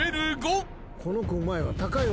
この子うまいわ。